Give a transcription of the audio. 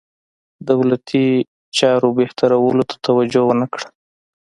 دولتي چارو بهترولو ته توجه ونه کړه.